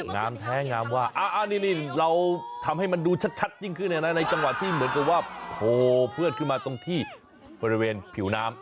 งามแท้งามว่านี่เราทำให้มันดูชัดยิ่งขึ้นในจังหวะที่เหมือนกับว่าโผล่เพื่อนขึ้นมาตรงที่บริเวณผิวน้ำ